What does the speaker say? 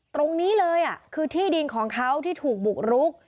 ตรงนี้เลยคือที่ดินของเขาที่ถูกบุกรุก